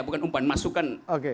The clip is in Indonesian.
bukan umpan masukan